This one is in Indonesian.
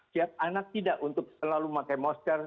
siap anak tidak untuk selalu pakai masker